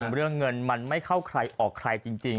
เรื่องเงินมันไม่เข้าใครออกใครจริง